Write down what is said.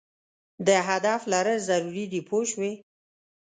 د هدف لرل ضرور دي پوه شوې!.